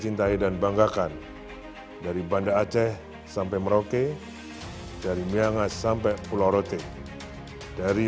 cintai dan banggakan dari banda aceh sampai merauke dari miangas sampai pulau rote dari